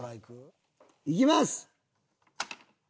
いきます！